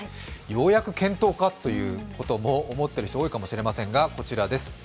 ようやく検討かということを思っている人も多いかもしれませんがこちらです。